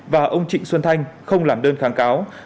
và ông trịnh xuân thanh không làm đơn kháng cáo